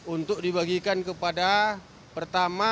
untuk dibagikan kepada pertama